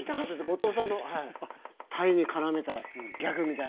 後藤さんの鯛にからめたギャグみたいなね。